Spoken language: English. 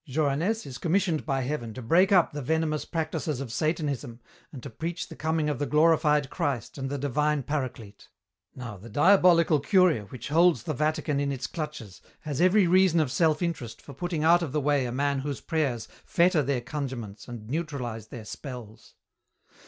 Johannès is commissioned by Heaven to break up the venomous practises of Satanism and to preach the coming of the glorified Christ and the divine Paraclete. Now the diabolical Curia which holds the Vatican in its clutches has every reason of self interest for putting out of the way a man whose prayers fetter their conjurements and neutralize their spells."